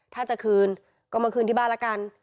ถ้าจะคืนก็มาคืนที่บ้านละกัน